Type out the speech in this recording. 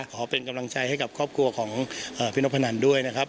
ขอเป็นกำลังใจให้กับครอบครัวของพี่นกพนันด้วยนะครับ